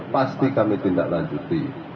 pasti kami tindak lanjuti